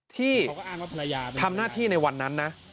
ที่ทำหน้าที่ในวันนั้นนะ